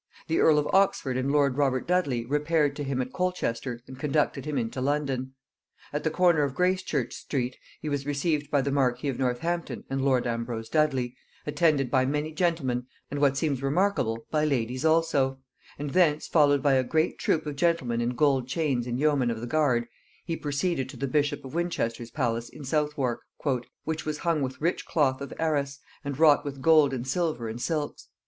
The earl of Oxford and lord Robert Dudley repaired to him at Colchester and conducted him into London. At the corner of Gracechurch street he was received by the marquis of Northampton and lord Ambrose Dudley, attended by many gentlemen, and, what seems remarkable, by ladies also; and thence, followed by a great troop of gentlemen in gold chains and yeomen of the guard, he proceeded to the bishop of Winchester's palace in Southwark, "which was hung with rich cloth of arras, and wrought with gold and silver and silks.